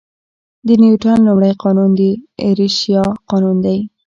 د نیوټن لومړی قانون د انرشیا قانون دی.